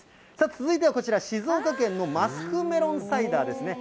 続いてはこちら、静岡県のマスクメロンサイダーですね。